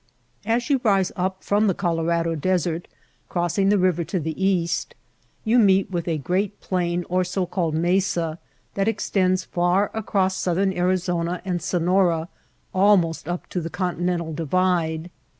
As you rise up from the Colorado Desert, crossing the river to the east, you meet with a great plain or so called mesa that extends far across Southern Arizona and Sonora almost up to the Continental Divide.